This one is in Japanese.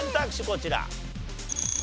こちら。